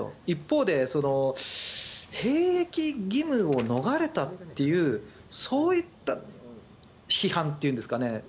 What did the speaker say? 一方で兵役義務を逃れたというそういった批判というんですかね